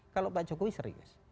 kalau pak jokowi serius